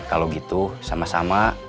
kalau gitu sama sama